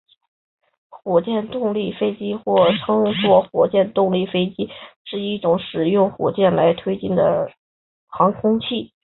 火箭动力飞机或称作火箭飞机是一种使用火箭来推进的航空器。